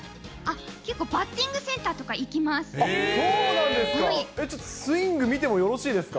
結構バッティングセンターとそうなんですか。